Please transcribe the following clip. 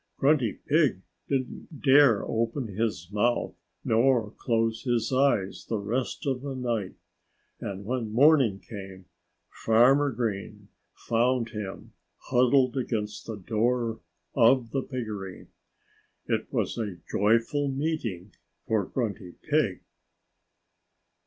Grunty Pig didn't dare open his mouth nor close his eyes the rest of the night. And when morning came, Farmer Green found him huddled against the door of the piggery. It was a joyful meeting for Grunty Pig.